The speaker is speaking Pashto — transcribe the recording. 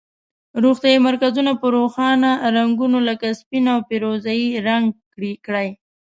روغتیایي مرکزونه په روښانه رنګونو لکه سپین او پیروزه یي رنګ کړئ.